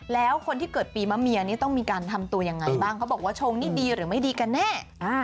แล้วคนที่เกิดปีมะเมียนี่ต้องมีการทำตัวยังไงบ้างเขาบอกว่าชงนี่ดีหรือไม่ดีกันแน่